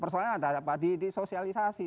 persoalannya ada apa di sosialisasi